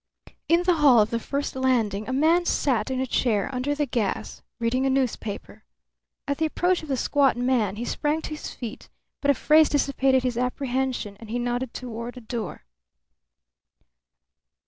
In the hall of the first landing a man sat in a chair under the gas, reading a newspaper. At the approach of the squat man he sprang to his feet, but a phrase dissipated his apprehension and he nodded toward a door.